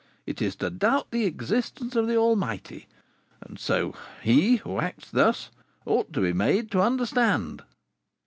it is to doubt the existence of the Almighty; and so, he who acts thus ought to be made to understand."